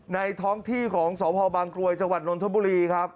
ท้องที่ของสพบางกรวยจังหวัดนทบุรีครับ